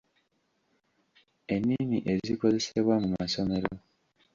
Ennimi ezikozesebwa mu masomero.